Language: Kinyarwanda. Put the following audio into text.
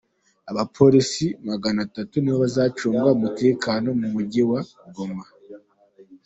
Abapolisi Magana atatu ni bo bazacunga umutekano mu Mujyi wa Goma